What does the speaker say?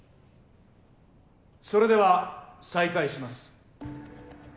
それでは再開します。